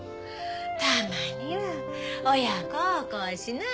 たまには親孝行しない。